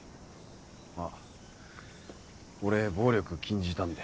あっ俺暴力禁じたんで。